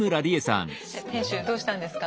店主どうしたんですか？